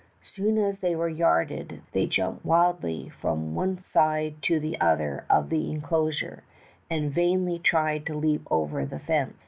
Soon as they were yarded they jumped wildly from one side to the other of the inclosure, and vainly tried to leap over the fence.